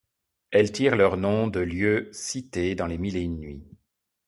Elles tirent leurs noms de lieux cités dans les Mille et une nuits.